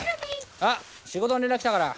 あっ仕事の連絡来たから。